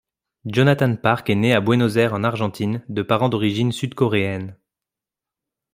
Jonathan Park est né à Buenos Aires en Argentine de parents d'origine sud-coréenne.